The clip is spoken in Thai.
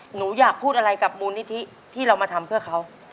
หนูอยากพูดอะไรกับมูลนิธิที่เรามาทำเพื่อเขา